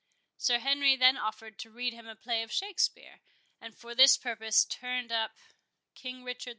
Sir Henry then offered to read him a play of Shakspeare, and for this purpose turned up King Richard II.